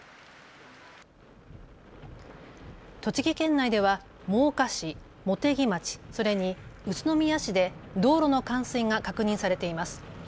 栃木県内では真岡市、茂木町、それに宇都宮市で道路の冠水が確認されています。